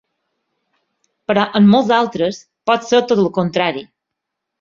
Però en molts altres, pot ser tot el contrari.